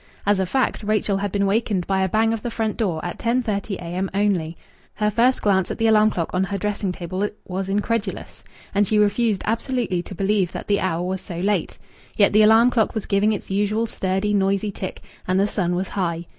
As a fact, Rachel had been wakened by a bang of the front door, at 10.30 a.m. only. Her first glance at the alarm clock on her dressing table was incredulous. And she refused absolutely to believe that the hour was so late. Yet the alarm clock was giving its usual sturdy, noisy tick, and the sun was high.